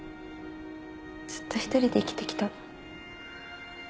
ずっと一人で生きてきたの。